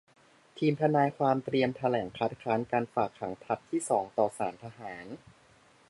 ทีมทนายความเตรียมแถลงคัดค้านการฝากขังผลัดที่สองต่อศาลทหาร